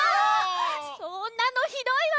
そんなのひどいわ！